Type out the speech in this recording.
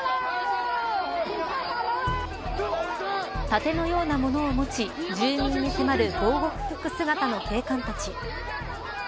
盾のようなものを持ち住民に迫る防護服姿の警官たち。